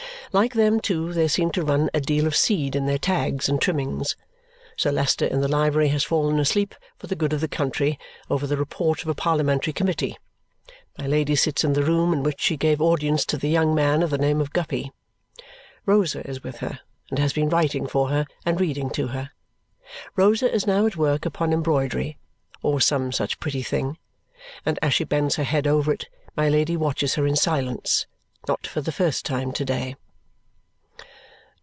Like them, too, they seem to run to a deal of seed in their tags and trimmings. Sir Leicester, in the library, has fallen asleep for the good of the country over the report of a Parliamentary committee. My Lady sits in the room in which she gave audience to the young man of the name of Guppy. Rosa is with her and has been writing for her and reading to her. Rosa is now at work upon embroidery or some such pretty thing, and as she bends her head over it, my Lady watches her in silence. Not for the first time to day.